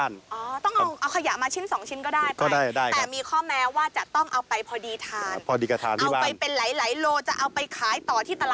หลายโลจะเอาไปขายต่อที่ตลาดแบบนี้